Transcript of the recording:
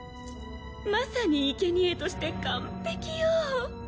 まさに生け贄として完璧よ